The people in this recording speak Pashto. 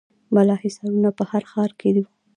بالاحصارونه په هر ښار کې وو